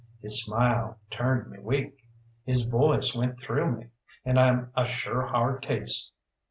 His smile turned me weak; his voice went through me, and I'm a sure hard case.